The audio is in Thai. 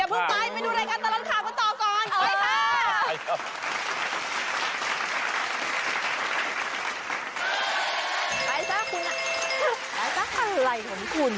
ไปดูรายการตลอดข่าวก็ต่อก่อน